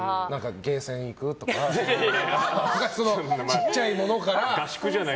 ゲーセン行くとか小さいものから。